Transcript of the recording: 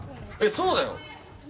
そうだよ。